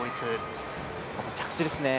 あとは着地ですね。